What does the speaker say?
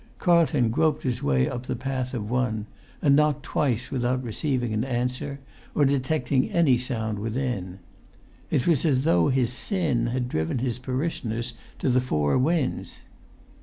Carlton groped his way up the path of one, and knocked twice without receiving an answer or detecting any sound within. It was as though his sin had driven his parishioners to the four winds.